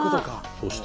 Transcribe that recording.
そして。